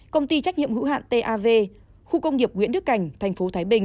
công ty trách nhiệm hữu hạn tav